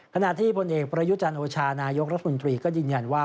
ขณะที่พลเอกประยุจันโอชานายกรัฐมนตรีก็ยืนยันว่า